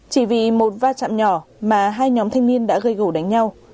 chỉ vì một va chạm nhỏ mà hai nhóm thanh niên đã gây gỗ đánh nhau